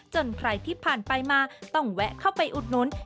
ใครที่ผ่านไปมาต้องแวะเข้าไปอุดหนุน